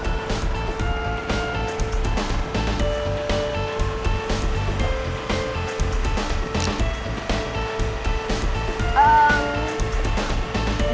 hmm kenapa sih